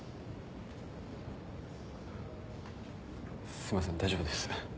すいません大丈夫です。